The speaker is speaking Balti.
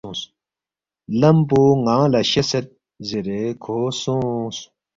لم پو ن٘انگ لہ شیسد” زیرے کھو سونگس